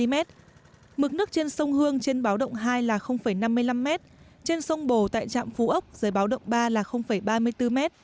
mực nước trên sông hương trên báo động hai là năm mươi năm m trên sông bồ tại trạm phú ốc dưới báo động ba là ba mươi bốn m